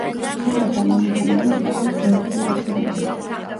აკლდამა მუჰამედის სახლის გვერდზეა აშენებული.